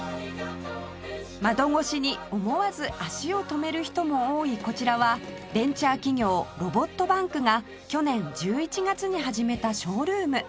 窓越しに思わず足を止める人も多いこちらはベンチャー企業ロボットバンクが去年１１月に始めたショールーム